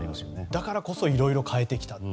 だからこそいろいろと変えてきたと。